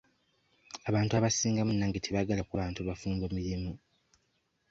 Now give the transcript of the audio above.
Abantu abasinga munnange tebaagala kuwa bantu bafumbo mirimu.